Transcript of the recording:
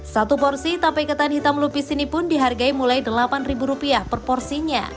satu porsi tape ketan hitam lupis ini pun dihargai mulai rp delapan per porsinya